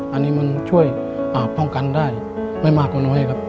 อันนี้มันช่วยป้องกันได้ไม่มากกว่าน้อยครับ